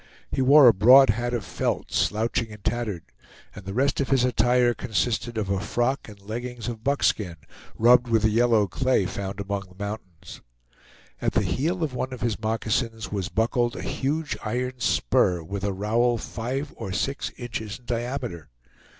He wore a broad hat of felt, slouching and tattered, and the rest of his attire consisted of a frock and leggings of buckskin, rubbed with the yellow clay found among the mountains. At the heel of one of his moccasins was buckled a huge iron spur, with a rowel five or six inches in diameter.